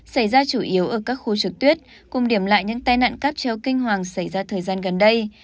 xảy ra chủ yếu ở các khu trực tuyết cùng điểm lại những tai nạn cáp treo kinh hoàng xảy ra thời gian gần đây